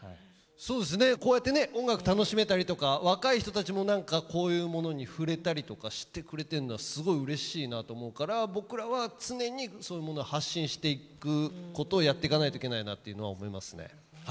そうですねこうやってね音楽楽しめたりとか若い人たちも何かこういうものに触れたりとかしてくれてんのはすごいうれしいなと思うから僕らは常にそういうものを発信していくことをやってかないといけないなっていうのは思いますね。